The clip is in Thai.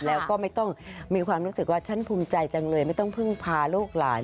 แล้วก็ไม่ต้องมีความรู้สึกว่าฉันภูมิใจจังเลยไม่ต้องพึ่งพาลูกหลาน